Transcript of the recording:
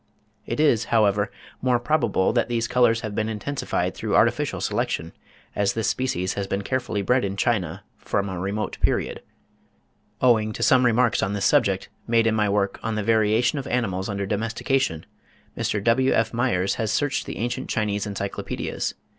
It is, however, more probable that these colours have been intensified through artificial selection, as this species has been carefully bred in China from a remote period. (29. Owing to some remarks on this subject, made in my work 'On the Variation of Animals under Domestication,' Mr. W.F. Mayers ('Chinese Notes and Queries,' Aug. 1868, p. 123) has searched the ancient Chinese encyclopedias.